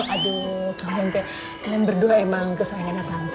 aduh kalian berdua emang kesayangannya tante